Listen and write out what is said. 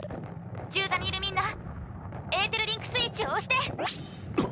銃座にいるみんなエーテルリンクスイッチを押して！